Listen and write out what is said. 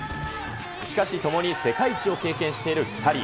しかし共に世界一を経験している２人。